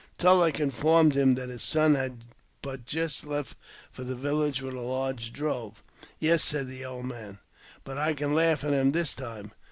TuUeck informed him that his son had but just left for the village with a large drove. " Yes," said the old man, " but I can laugh at him this time."